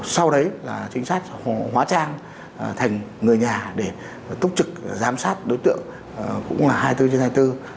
sau đấy là trinh sát hóa trang thành người nhà để tốc trực giám sát đối tượng cũng là hai mươi bốn trên hai mươi bốn